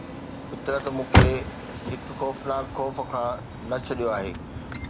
فطرت مون کي هڪ خوفناڪ خوف کان نه ڇڏيو آهي